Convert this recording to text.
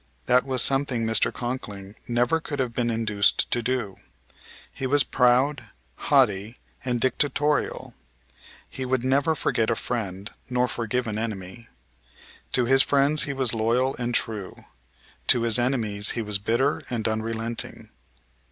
That was something Mr. Conkling never could have been induced to do. He was proud, haughty and dictatorial. He would never forget a friend, nor forgive an enemy. To his friends he was loyal and true. To his enemies he was bitter and unrelenting.